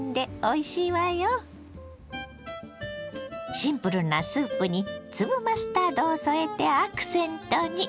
シンプルなスープに粒マスタードを添えてアクセントに。